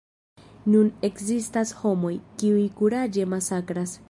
Nun ekzistas homoj, kiuj kuraĝe masakras.